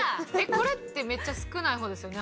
これってめっちゃ少ない方ですよね？